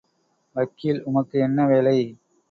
வக்கீல் உமக்கு என்ன வேலை?